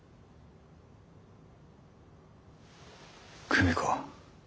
久美子